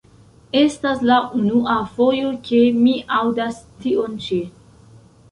Estas la unua fojo ke mi aŭdas tion ĉi.